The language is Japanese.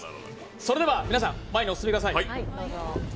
それでは、皆さん前にお進みください。